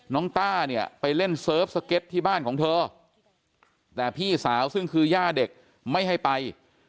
ต้าเนี่ยไปเล่นเซิร์ฟสเก็ตที่บ้านของเธอแต่พี่สาวซึ่งคือย่าเด็กไม่ให้ไป